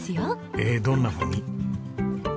へえどんなふうに？